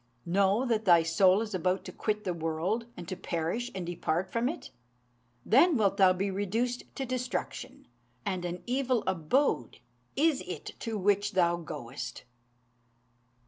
Know that thy soul is about to quit the world, and to perish and depart from it: then wilt thou be reduced to destruction, and an evil abode is it to which thou goest!"